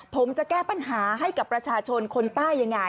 ผมจะแก้ปัญหาให้กับประชาชนคนใต้ยังไง